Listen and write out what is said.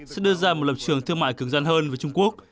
sẽ đưa ra một lập trường thương mại cứng răn hơn với trung quốc